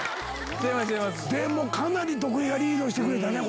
でもかなり徳井がリードしてくれたね。